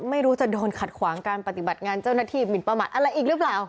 ไม่รู้จะโดนขัดขวางการปฏิบัติงานเจ้าหน้าที่หมินประมาทอะไรอีกหรือเปล่า